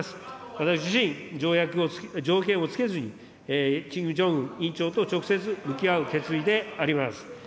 私自身、条件をつけずにキム・ジョンウン委員長と直接向き合う決意であります。